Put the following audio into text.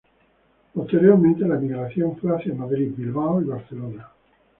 Posteriormente la emigración fue hacia Madrid, Bilbao y Barcelona.